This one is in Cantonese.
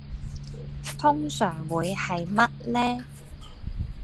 通常會係乜呢